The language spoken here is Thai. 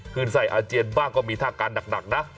คืนใส่อาเจียนบ้างก็มีท่าการหนักนะ